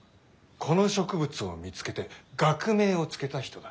この植物を見つけて学名を付けた人だ。